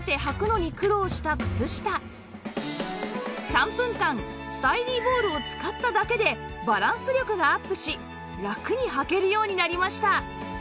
３分間スタイリーボールを使っただけでバランス力がアップしラクにはけるようになりました